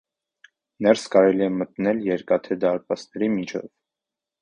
Ներս կարելի է մտնել երկաթե դարբասների միջով։